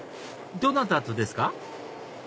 どなたとですか？